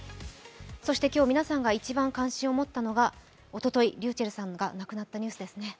そして今日皆さんが一番関心を持ったのがおととい、ｒｙｕｃｈｅｌｌさんが亡くなったニュースですね。